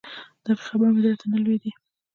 د هغه خبرې مې زړه ته نه لوېدې.